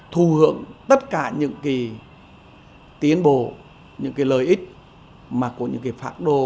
thù hưởng tất cả những cái đó